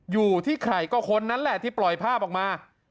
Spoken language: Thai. อยู่ที่ใครก็คนนั้นแหละที่ปล่อยภาพออกมา